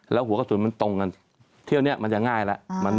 แล้วหัวกระสุนมันตรงกันเที่ยวนี้มันจะง่ายแล้ว